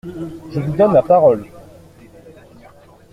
Je vous donne la parole.